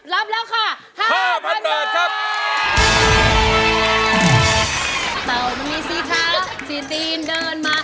รับแล้วค่ะ๕๐๐๐เบอร์ครับ